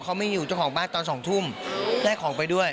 เขาไม่อยู่เจ้าของบ้านตอนสองทุ่มแลกของไปด้วย